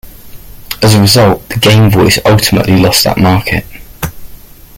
As a result, the Game Voice ultimately lost that market.